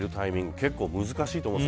結構難しいと思うんです。